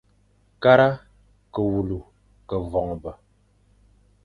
Kara ke wule ke voñbe.